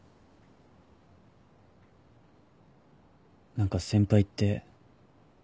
何か先輩って。